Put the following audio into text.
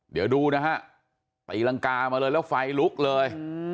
เดี๋ยวดูนะฮะตีรังกามาเลยแล้วไฟลุกเลย